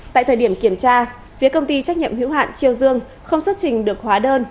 tại thời điểm kiểm tra phía công ty trách nhiệm hữu hạn triều dương không xuất trình được hóa đơn